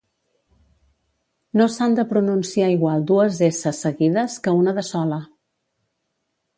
No s'han de pronunciar igual dues essa seguides que una de sola